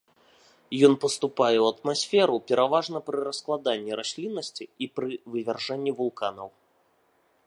Ён паступае ў атмасферу пераважна пры раскладанні расліннасці і пры вывяржэнні вулканаў.